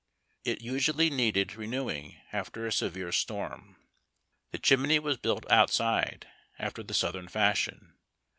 It usually needed renewing after a severe storm. The chimney was built outside, after the southern fashion.